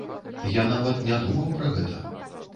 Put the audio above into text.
Я нават не думаў пра гэта.